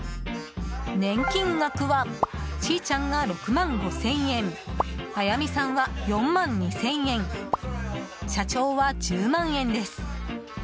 年金額はちーちゃんが６万５０００円あやみさんは４万２０００円社長は１０万円です。